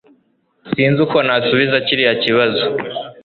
Sinzi uko nasubiza kiriya kibazo